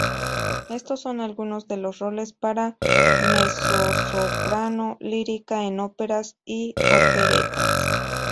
Estos son algunos de los roles para mezzosoprano lírica en óperas y operetas.